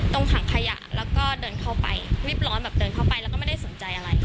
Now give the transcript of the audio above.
ถังขยะแล้วก็เดินเข้าไปรีบร้อนแบบเดินเข้าไปแล้วก็ไม่ได้สนใจอะไร